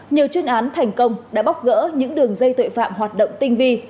nhiều chuyên án thành công đã bóc gỡ những đường dây tội phạm hoạt động tinh vi